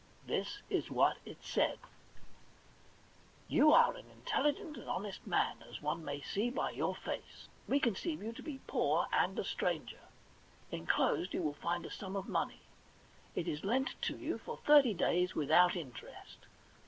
This is what it said :* You are an intelligent and honest man, as one may see by your face. We conceive you to be poor and a stranger. Inclosed you will find a sum of money. It is lent to you for thirty days, without interest.